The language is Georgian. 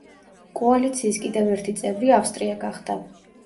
კოალიციის კიდევ ერთი წევრი ავსტრია გახდა.